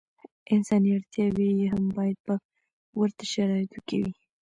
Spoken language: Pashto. انساني اړتیاوې یې هم باید په ورته شرایطو کې وي.